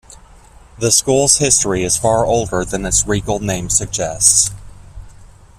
The school's history is far older than its regal name suggests.